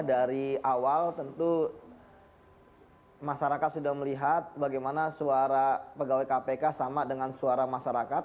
dari awal tentu masyarakat sudah melihat bagaimana suara pegawai kpk sama dengan suara masyarakat